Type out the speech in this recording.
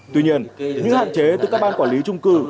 tuy nhiên những hạn chế từ các ban quản lý trung cư